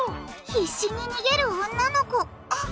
必死に逃げる女の子あっ！